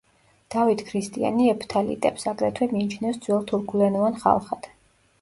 დავით ქრისტიანი ეფთალიტებს, აგრეთვე, მიიჩნევს ძველ თურქულენოვან ხალხად.